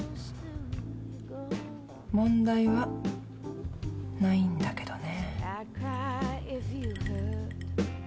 問題はないんだけどね。